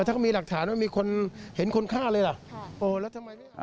ถ้ามีหลักฐานว่ามีคนเห็นคนฆ่าเลยหรอ